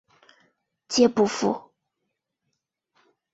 皆不赴。